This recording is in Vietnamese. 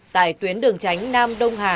tại tuyến đường tránh nam đông hà